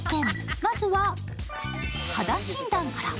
まずは肌診断から。